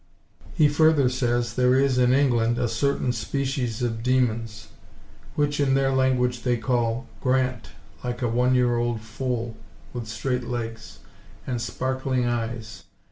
He further says there is, in England, a certain species of demons, which in their language they call Grant, like a one–year old foal, with straight legs, and sparkling eyes.